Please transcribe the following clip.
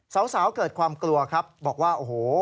สาวสาวเกิดความกลัวครับบอกว่า